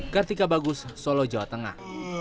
kartika bagus solo jawa tengah